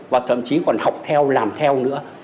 và thậm chí còn học theo làm theo nữa